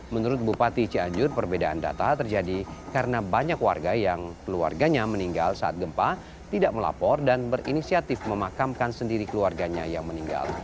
menurut bupati cianjur perbedaan data terjadi karena banyak warga yang keluarganya meninggal saat gempa tidak melapor dan berinisiatif memakamkan sendiri keluarganya yang meninggal